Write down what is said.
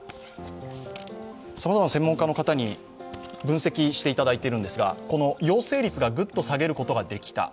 さまざまな専門家の方に分析していただいているんですがこの陽性率がぐっと下げることができた。